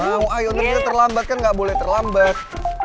mau ayo kita terlambat kan nggak boleh terlambat